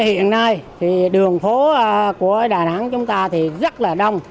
hiện nay thì đường phố của đà nẵng chúng ta thì rất là đông